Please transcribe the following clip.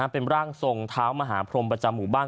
เป็นร่างทรงเท้ามหาพรมประจำหมู่บ้าน